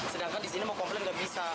sedangkan di sini mau komplain nggak bisa